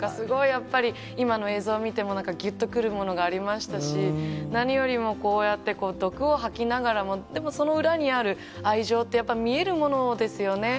やっぱり今の映像見ても、なんかぎゅっとくるものがありましたし、何よりもこうやって毒を吐きながら、でもその裏にある愛情ってやっぱり見えるものですよね。